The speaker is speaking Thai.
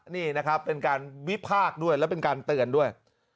นี่เป็นการวิภาคด้วยและเป็นการเตือนด้วย